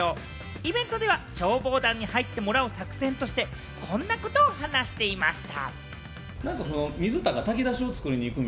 イベントでは消防団に入ってもらう作戦として、こんなことを話していました。